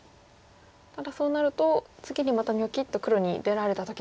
ただそうなると次にまたニョキッと黒に出られた時に。